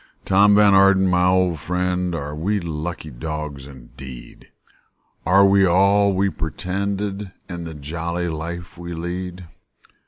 Tom Van Arden, my old friend, Â Â Â Â Are we "lucky dogs," indeed? Are we all that we pretend Â Â Â Â In the jolly life we lead?